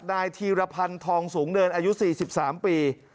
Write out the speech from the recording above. นายธีรพันธ์ทองสูงเดินอายุ๔๓ปี